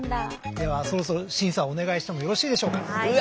ではそろそろ審査をお願いしてもよろしいでしょうか？